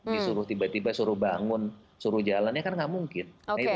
disuruh tiba tiba suruh bangun suruh jalannya kan nggak mungkin